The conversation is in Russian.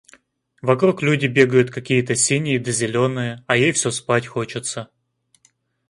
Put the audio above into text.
Вокруг люди бегают какие-то синие да зеленые, а ей всё спать хочется.